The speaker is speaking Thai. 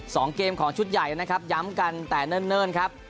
สองเกมของชุดใหญ่นะครับย้ำกันแต่เนิ่นเนิ่นครับ